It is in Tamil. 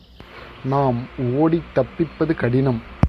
நாம் ஒடித் தப்பிப்பது கடினம்.